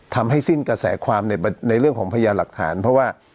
ทำให้สิ้นกระแสความในเรื่องของพยานหลักฐานเพราะว่า